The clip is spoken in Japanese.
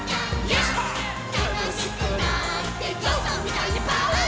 「たのしくなってぞうさんみたいにパオーン」